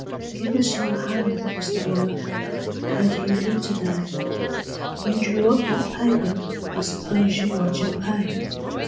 "GIVE US YOUR HAND, MR. LAWYER: HOW DO YOU DO TO DAY?" You drew up that paper I s'pose you want your pay.